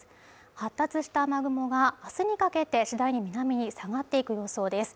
発達した雨雲が、明日にかけて次第に南に下がっていく予想です